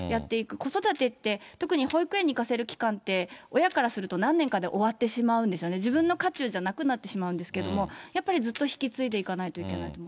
子育てって、特に保育園に行かせる期間って、親からすると、何年かで終わってしまうんですよね、自分の渦中じゃなくなってしまうんですけど、やっぱり、ずっと引き継いでいかないといけないと思います。